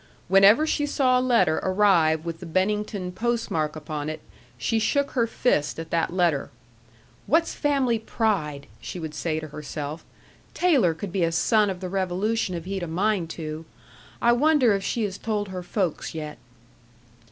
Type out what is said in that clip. Whenever she saw a letter arrive with the Bennington postmark upon it, she shook her fist at that letter. "What's family pride?" she would say to herself. "Taylor could be a Son of the Revolution if he'd a mind to. I wonder if she has told her folks yet."